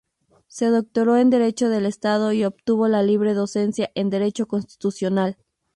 Se doctoró en Derecho del Estado y obtuvo la libre docencia en Derecho constitucional.